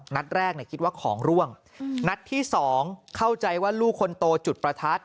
นัดแรกคิดว่าของร่วงนัดที่สองเข้าใจว่าลูกคนโตจุดประทัด